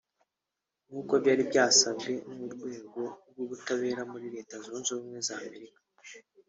nkuko byari byasabwe n’urwego rw’ubutabera muri Leta Zunze Ubumwe za Amerika